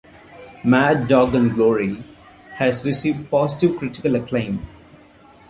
"Mad Dog and Glory" has received positive critical acclaim.